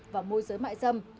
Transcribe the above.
và môi giới mại dâm